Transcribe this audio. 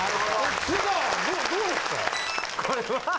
これは。